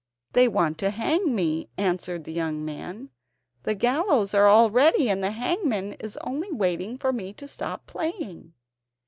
"They want to hang me," answered the young man; "the gallows are all ready and the hangman is only waiting for me to stop playing."